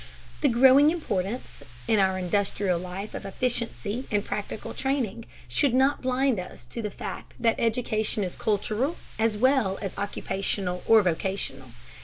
The growing importance in our industrial life of efficiency and practical training should not blind us to the fact that education is cultural as well as occupational or vocational.